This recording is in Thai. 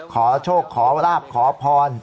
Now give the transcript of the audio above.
ขอโชคขอลาบขอพร